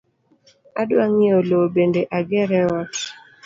Adwa ng’iewo lowo bende agere ot